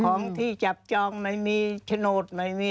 ของที่จับจองไม่มีโฉนดไม่มี